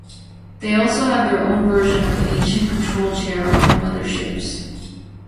They also have their own version of the Ancient control chair on their motherships.